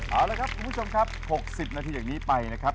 เอาล่ะครับผู้ชมครับ๖๐นาทีจากนี้ไปนะครับ